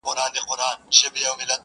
حالاتو دومره محبت کي راگير کړی يمه _